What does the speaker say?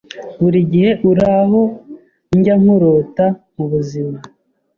Buri gihe uri aho njya nkurota mubuzima